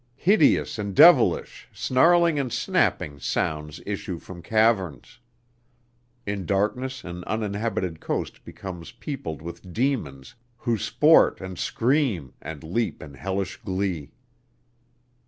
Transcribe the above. Hideous and devilish, snarling and snapping, sounds issue from caverns. In darkness an uninhabited coast becomes peopled with demons who sport and scream and leap in hellish glee.